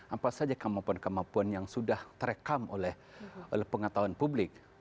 apa saja kemampuan kemampuan yang sudah terekam oleh pengetahuan publik